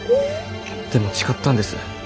でも誓ったんです。